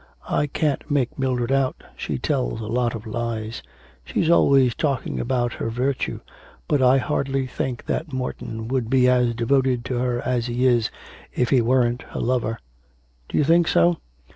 I can't make Mildred out, she tells a lot of lies. She's always talking about her virtue. But I hardly think that Morton would be as devoted to her as he is if he weren't her lover. Do you think so?'